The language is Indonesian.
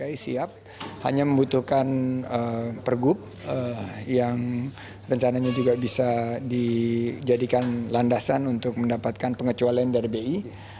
bi siap hanya membutuhkan pergub yang rencananya juga bisa dijadikan landasan untuk mendapatkan pengecualian dari bi